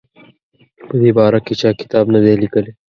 په دې باره کې چا کتاب نه دی لیکلی.